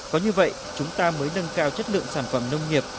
có như vậy chúng ta mới nâng cao chất lượng sản phẩm nông nghiệp